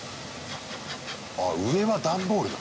あ上は段ボールなんだ。